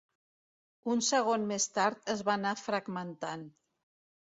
Un segon més tard es va anar fragmentant.